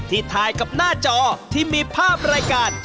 ถ่ายกับหน้าจอที่มีภาพรายการ